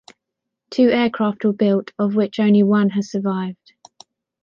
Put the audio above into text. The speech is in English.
Two aircraft were built, of which only one has survived.